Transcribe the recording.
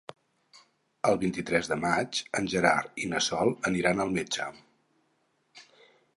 El vint-i-tres de maig en Gerard i na Sol aniran al metge.